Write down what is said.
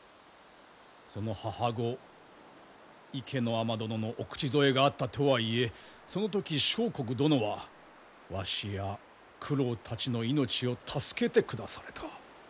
その母御池ノ尼殿のお口添えがあったとはいえその時相国殿はわしや九郎たちの命を助けてくだされた。